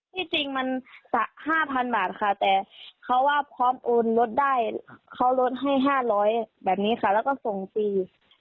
ที่จริงมัน๕๐๐๐บาทค่ะแต่เขาว่าพร้อมโอนรถได้เขาลดให้๕๐๐แบบนี้ค่ะแล้วก็ส่งฟรี